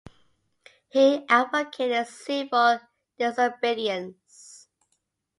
He advocated civil disobedience.